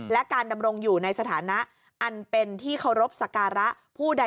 และการดำรงอยู่ในสถานะอันเป็นที่เคารพสการะผู้ใด